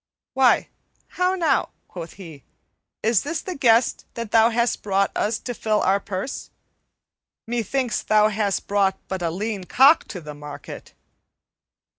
"Why, how now," quoth he, "is this the guest that thou hast brought us to fill our purse? Methinks thou hast brought but a lean cock to the market."